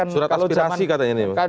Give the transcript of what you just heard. surat aspirasi katanya ini